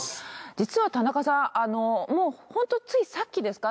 実は田中さんもう本当ついさっきですか？